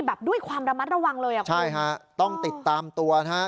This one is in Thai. แบบด้วยความระมัดระวังเลยอ่ะคุณใช่ฮะต้องติดตามตัวนะฮะ